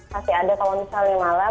masih ada kalau misalnya